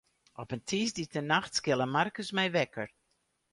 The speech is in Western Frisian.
Op in tiisdeitenacht skille Markus my wekker.